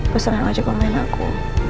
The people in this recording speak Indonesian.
pesen yang ajak pemain aku